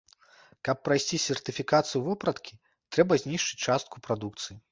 Каб прайсці сертыфікацыю вопраткі, трэба знішчыць частку прадукцыі.